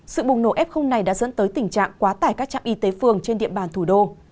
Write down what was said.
sự bùng nổ f này đã dẫn tới tình trạng quá tải các trạm y tế phường trên địa bàn thủ đô